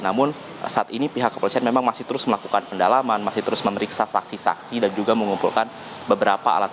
namun saat ini pihak kepolisian memang masih terus melakukan pendalaman masih terus memeriksa saksi saksi dan juga mengumpulkan beberapa alat